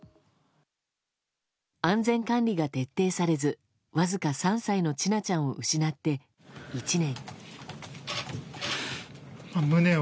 安全管理が徹底されずわずか３歳の千奈ちゃんを失って１年。